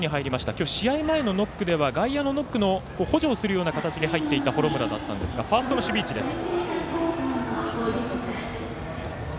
今日、試合前のノックでは内野のノックを補助をするような形で入っていた幌村だったんですがファーストの守備位置です。